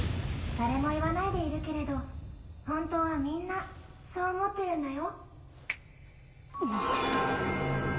誰も言わないでいるけれど本当はみんなそう思ってるんだよ